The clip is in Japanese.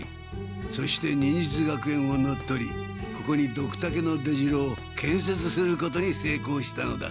そして忍術学園を乗っ取りここにドクタケの出城をけんせつすることにせいこうしたのだ。